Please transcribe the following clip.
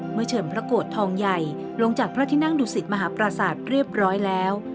เชิญพระโกรธทองใหญ่ลงจากพระที่นั่งดุสิตมหาปราศาสตร์เรียบร้อยแล้ว